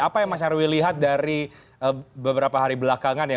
apa yang mas nyarwi lihat dari beberapa hari belakangan ya